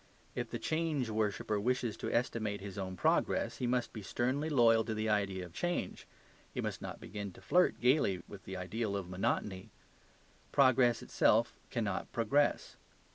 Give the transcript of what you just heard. If the change worshipper wishes to estimate his own progress, he must be sternly loyal to the ideal of change; he must not begin to flirt gaily with the ideal of monotony. Progress itself cannot progress.